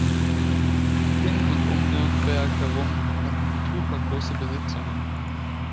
In und um Nürnberg herum hatten die Tucher große Besitzungen.